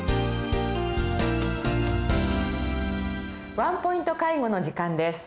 「ワンポイント介護」の時間です。